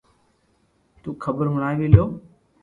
تو خبر ھوڻاوي لو